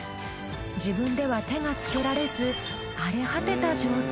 自分では手がつけられず荒れ果てた状態。